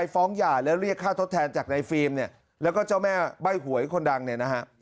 ฟ้องหย่าแล้วเรียกค่าทดแทนจากในฟิล์มเนี่ยแล้วก็เจ้าแม่ใบ้หวยคนดังเนี่ยนะฮะ